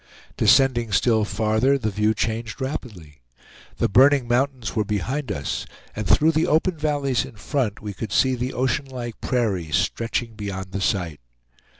Descending still farther, the view changed rapidly. The burning mountains were behind us, and through the open valleys in front we could see the ocean like prairie, stretching beyond the sight.